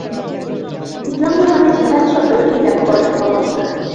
ইসলাম ধর্মে জিহাদ শব্দটি ব্যাপক অর্থ বহন করে।